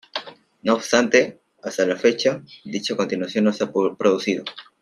No obstante, hasta la fecha, dicha continuación no se ha producido.